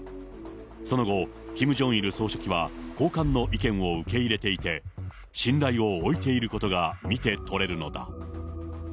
その後、キム・ジョンイル総書記は高官の意見を受け入れていて、信頼を置いていることが見て取れるのだ。